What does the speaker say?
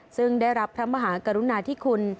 ซึ่งได้รับพระมหากรุณาธิคุณ